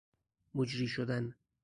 مجری شدن